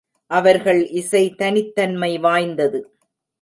அவர்கள் இசை தனித் தன்மை வாய்ந்தது.